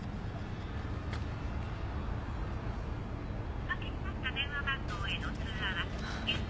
おかけになった電話番号への通話は現在。